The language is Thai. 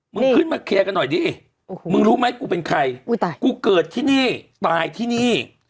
มึงขึ้นมาเคลียร์กันหน่อยดิมึงรู้ไหมกูเป็นใครกูเกิดที่นี่ตายที่นี่